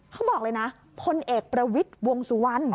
เขาบอกเลยนะพลเอกประวิทย์วงสุวรรณ